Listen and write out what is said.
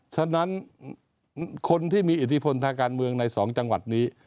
ฉะนั้นคนที่มีอิทธิพลทางการเมืองใน๒จังหวัดนี้